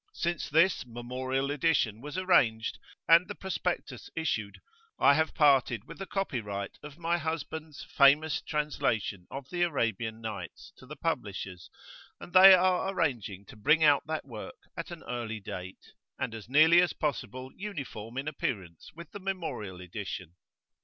Since this "Memorial Edition" was arranged, and the Prospectus issued, I have parted with the Copyright of my husband's famous translation of the "Arabian Nights" to the Publishers, and they are arranging to bring out that work at an early date, and as nearly as possible uniform in appearance with the Memorial Edition.